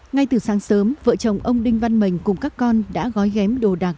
ngay từ sáng sớm vợ chồng ông đinh văn mình cùng các con đã gói ghém đồ đạc